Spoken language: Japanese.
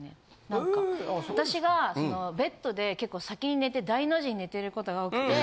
なんか私がベッドで結構先に寝て大の字に寝てることが多くて。